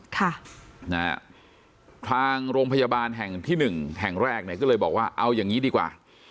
ทางโรงพยาบาลแห่งที่หนึ่งแห่งแรกก็เลยบอกว่าเอาอย่างนี้ดีกว่า